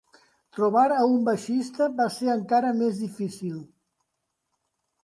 Trobar a un baixista va ser encara més difícil.